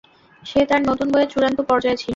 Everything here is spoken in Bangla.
সে তার নতুন বইয়ের চূড়ান্ত পর্যায়ে ছিল।